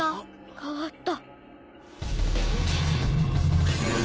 変わった。